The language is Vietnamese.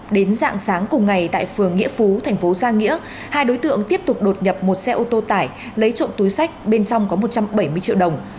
đến dạng sáng cùng ngày tại phường nghĩa phú thành phố giang nghĩa hai đối tượng tiếp tục đột nhập một xe ô tô tải lấy trộm túi sách bên trong có một trăm bảy mươi triệu đồng